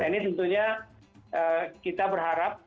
dan ini tentunya kita berharap